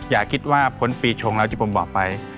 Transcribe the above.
อย่าคิดว่าพ้นปีชงแล้วที่ผมบอกไป